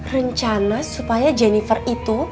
rencana supaya jennifer itu